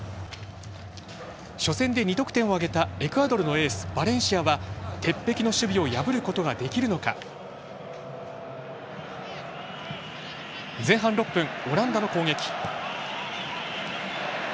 初戦で２得点を挙げたエクアドルのエースバレンシアは、鉄壁の守備を破ることができるのか？前半６分、オランダの攻撃。